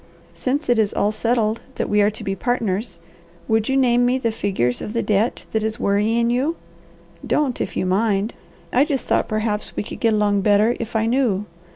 Since it is all settled that we are to be partners, would you name me the figures of the debt that is worrying you? Don't, if you mind. I just thought perhaps we could get along better if I knew.